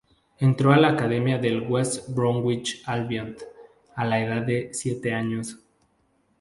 Entró a la academia del West Bromwich Albion a la edad de siete años.